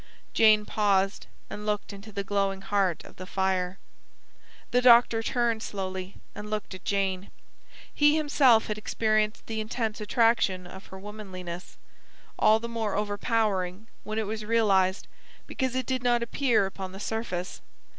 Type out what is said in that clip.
Jane paused, and looked into the glowing heart of the fire. The doctor turned slowly and looked at Jane. He himself had experienced the intense attraction of her womanliness, all the more overpowering when it was realised, because it did not appear upon the surface.